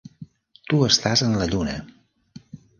Tu estàs en la Lluna!